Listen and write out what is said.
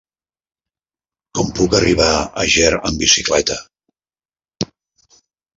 Com puc arribar a Ger amb bicicleta?